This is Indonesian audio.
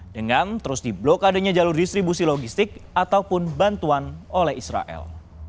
dengan terus diblokadenya jalur distribusi logistik ataupun bantuan oleh israel